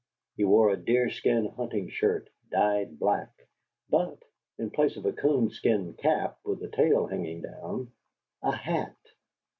He wore a deerskin hunting shirt dyed black, but, in place of a coonskin cap with the tail hanging down, a hat.